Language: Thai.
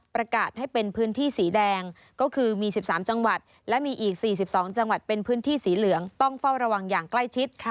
ประกาศให้เป็นพื้นที่สีแดงก็คือมี๑๓จังหวัดและมีอีก๔๒จังหวัดเป็นพื้นที่สีเหลืองต้องเฝ้าระวังอย่างใกล้ชิด